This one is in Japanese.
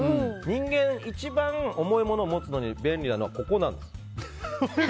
人間、一番重いものを持つのに便利なのはここなんですよ。